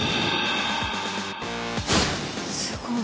すごい。